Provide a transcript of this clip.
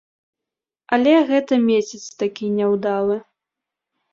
Але гэта месяц такі няўдалы.